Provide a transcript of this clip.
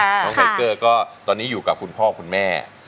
น้องไทเกอร์ก็ตอนนี้อยู่กับคุณพ่อคุณแม่